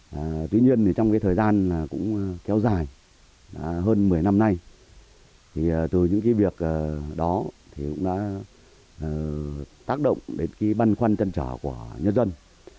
những người dân trong thời gian kéo dài hơn một mươi năm nay từ những việc đó cũng đã tác động đến băn khoăn chân trỏ của nhân dân